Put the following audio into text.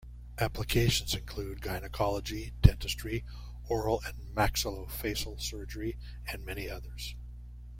Applications include gynecology, dentistry, oral and maxillofacial surgery, and many others.